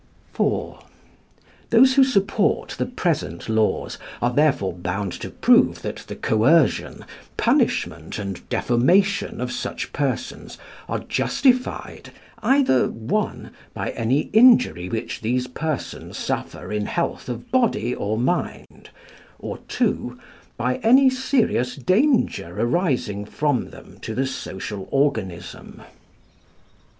IV. Those who support the present laws are therefore bound to prove that the coercion, punishment, and defamation of such persons are justified either (1) by any injury which these persons suffer in health of body or mind, or (2) by any serious danger arising from them to the social organism.